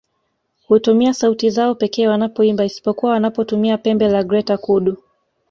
Hutumia sauti zao pekee wanapoimba isipokuwa wanapotumia pembe la Greater Kudu